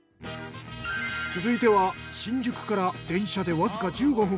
続いては新宿から電車でわずか１５分。